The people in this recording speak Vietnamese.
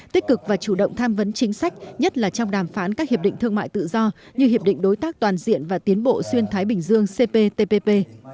tích cực và chủ động tham vấn chính sách nhất là trong đàm phán các hiệp định thương mại tự do như hiệp định đối tác toàn diện và tiến bộ xuyên thái bình dương cptpp